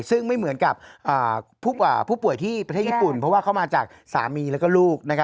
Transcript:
ซึ่งไม่เหมือนกับผู้ป่วยที่ประเทศญี่ปุ่นเพราะว่าเข้ามาจากสามีแล้วก็ลูก